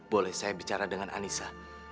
boleh saya bicara dengan anissa